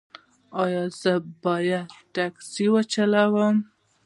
ایا زه باید ټکسي وچلوم؟